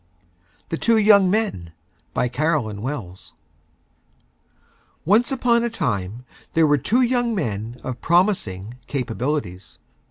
THE TWO YOUNG MEN BY CAROLYN WELLS Once on a Time there were Two Young Men of Promising Capabilities.